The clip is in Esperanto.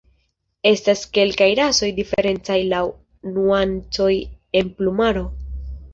Estas kelkaj rasoj diferencaj laŭ nuancoj en plumaro.